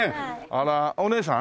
あらお姉さん？